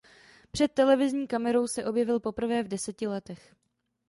Před televizní kamerou se objevil poprvé v deseti letech.